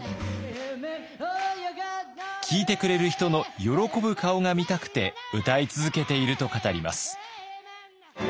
聴いてくれる人の喜ぶ顔が見たくて歌い続けていると語ります。